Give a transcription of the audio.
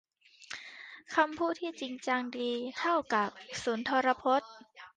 คำพูดที่จริงจังดีเท่ากับสุนทรพจน์